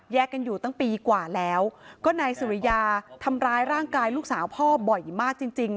กันอยู่ตั้งปีกว่าแล้วก็นายสุริยาทำร้ายร่างกายลูกสาวพ่อบ่อยมากจริงจริง